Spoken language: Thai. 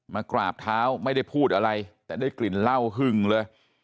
มากราบเท้าไม่ได้พูดอะไรแต่ได้กลิ่นเหล้าหึงเลย